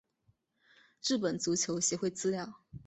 日本足球协会资料